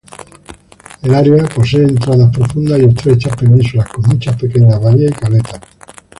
El área posee entradas profundas y estrechas penínsulas, con muchas pequeñas bahías y caletas.